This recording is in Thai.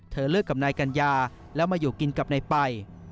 เลิกกับนายกัญญาแล้วมาอยู่กินกับนายไป